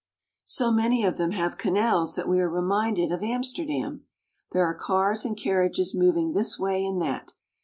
So many of them have canals that we are reminded of Amsterdam. There are cars and carriages moving this way and that.